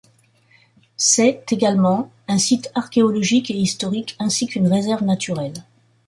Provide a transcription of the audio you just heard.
C'est, également, un site archéologique et historique ainsi qu'une réserve naturelle.